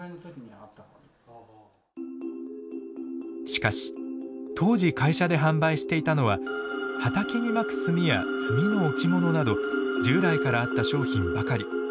しかし当時会社で販売していたのは畑にまく炭や炭の置物など従来からあった商品ばかり。